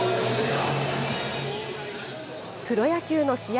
プロ野球の試合